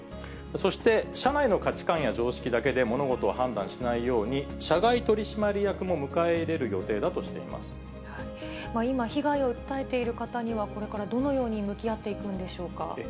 そして、社内の価値観や常識だけで物事を判断しないように、社外取締役も迎え入れる予定だと今、被害を訴えている方には、これからどのように向き合っていくんでしょうか。